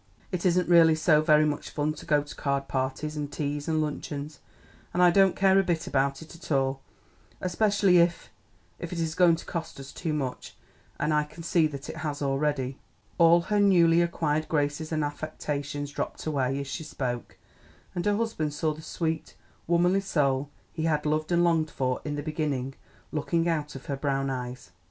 It isn't really so very much fun to go to card parties and teas and luncheons, and I don't care a bit about it all, especially if if it is going to cost us too much; and I can see that it has already." All her little newly acquired graces and affectations dropped away as she spoke, and her husband saw the sweet, womanly soul he had loved and longed for in the beginning looking out of her brown eyes.